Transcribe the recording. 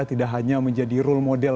tidak hanya menjadi role model